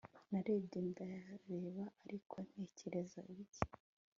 Narebye ndareba ariko ntekereza bike